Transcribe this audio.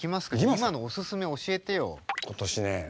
今のおすすめ教えてよ。